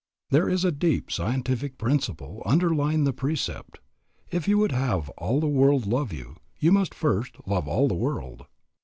There is a deep scientific principle underlying the precept If you would have all the world love you, you must first love all the world.